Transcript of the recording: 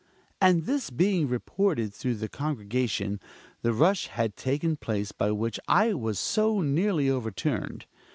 And this being reported through the congregation, the rush had taken place by which I was so nearly overturned.